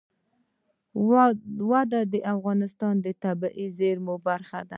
وادي د افغانستان د طبیعي زیرمو برخه ده.